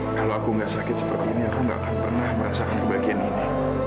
kalau aku nggak sakit seperti ini aku nggak akan pernah merasakan kebahagiaan ini